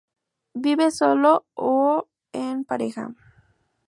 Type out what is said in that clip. Vive solo o en pareja.